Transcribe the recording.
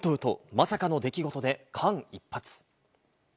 まさかの出来事で間一髪。